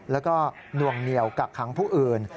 แล้วก็นวงเหนียวกักขังผู้อื่น